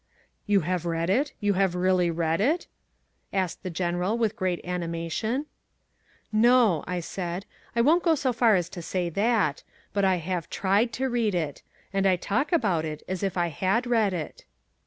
"You have read it? You have really read it?" asked the General with great animation. "No," I said, "I won't go so far as to say that. But I have TRIED to read it. And I talk about it as if I had read it."